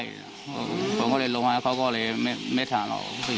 บ๊วยบริษัทใช่ผมก็เลยลงให้เขาก็เลยไม่ทันหรอก